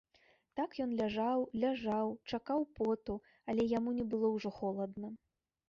Так ён ляжаў, ляжаў, чакаў поту, але яму не было ўжо холадна.